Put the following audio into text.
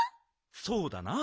そうだな。